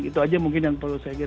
itu aja mungkin yang perlu saya kira